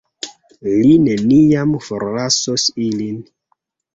Li neniam forlasos ilin.